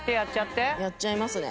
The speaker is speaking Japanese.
やっちゃいますね。